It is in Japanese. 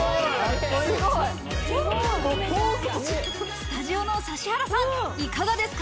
スタジオの指原さん、いかがですか？